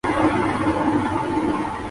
، اس کا اندازہ سارے پاکستان کو ہے۔